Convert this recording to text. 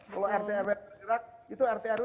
kalau rt rw itu rt rw